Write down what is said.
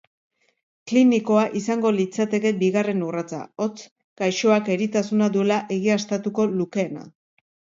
Klinikoa izango litzateke bigarren urratsa, hots, gaixoak eritasuna duela egiaztatuko lukeena.